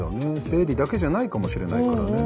生理だけじゃないかもしれないからね。